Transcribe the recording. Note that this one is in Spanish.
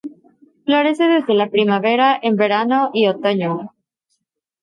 Florece desde la primavera, en verano y otoño.